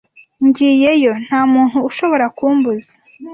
Ngiyeyo. Nta muntu ushobora kumbuza.